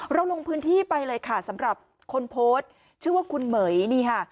ลงพื้นที่ไปเลยค่ะสำหรับคนโพสต์ชื่อว่าคุณเหม๋ยนี่ค่ะ